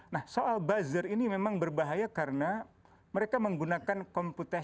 nah soal buzzer ini memang berbahaya karena mereka menggunakan komputer